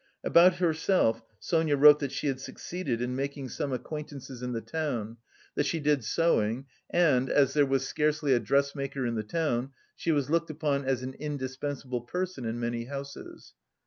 About herself, Sonia wrote that she had succeeded in making some acquaintances in the town, that she did sewing, and, as there was scarcely a dressmaker in the town, she was looked upon as an indispensable person in many houses.